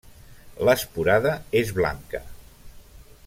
L'esporada és blanca.